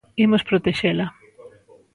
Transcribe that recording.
Imos protexela.